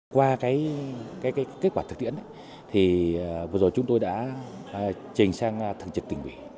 qua kết quả thực tiễn vừa rồi chúng tôi đã trình sang thần trực tỉnh bỉ